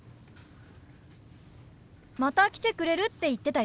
また来てくれるって言ってたよ。